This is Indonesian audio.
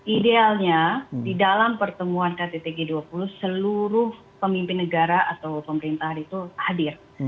idealnya di dalam pertemuan kttg dua puluh seluruh pemimpin negara atau pemerintahan itu hadir